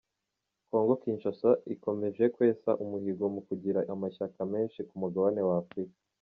Congo Kinshasa ikomeje kwesa umuhigo wo kugira amashyaka menshi ku mugabane wa Afurika.